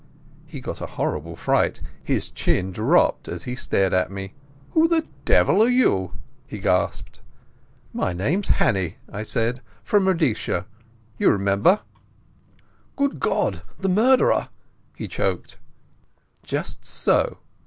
He got a horrid fright. His chin dropped as he stared at me. "Who the devil are you?" he gasped. "My name's Hannay," I said. "From Rhodesia, you remember." "Good God, the murderer!" he choked. "Just so.